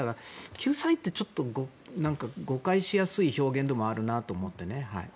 救済って誤解しやすい表現でもあるなと思ってね。